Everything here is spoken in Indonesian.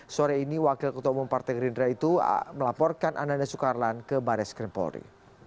sore ini wakil ketua umum partai gerindra itu melaporkan ananda sukarlan ke baris krimpolri